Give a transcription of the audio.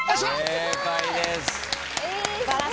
正解です。